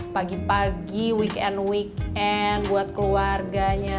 pagi pagi weekend weekend buat keluarganya